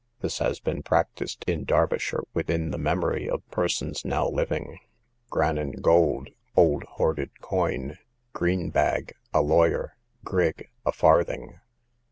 This has been practised in Derbyshire within the memory of persons now living. Grannan gold, old hoarded coin. Green bag, a lawyer. Grig, a farthing.